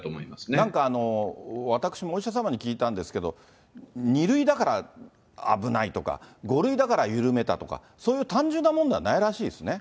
なんか私もお医者様に聞いたんですけれども、２類だから危ないとか、５類だから緩めたとか、そういう単純なものではないらしいですね。